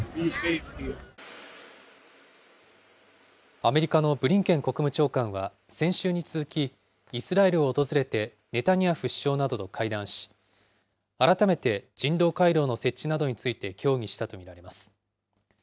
アメリカのブリンケン国務長官は、先週に続き、イスラエルを訪れてネタニヤフ首相などと会談し、改めて人道回廊の設置などについて協議したと見られます。